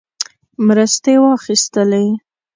مرستې واخیستلې.